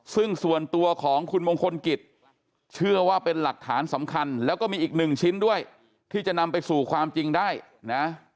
ซึ่งส่วนตัวของคุณมงคลกิจเชื่อว่าเป็นหลักฐานสำคัญแล้วก็มีอีกหนึ่งชิ้นด้วยที่จะนำไปสู่ความจริงได้นะ